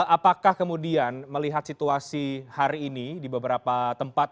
apakah kemudian melihat situasi hari ini di beberapa tempat